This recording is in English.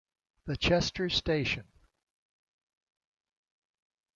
The Chester stn.